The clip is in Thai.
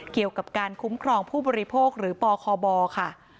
เกี่ยวกับการคุ้มครองผู้บริโภคหรือปคบค่ะ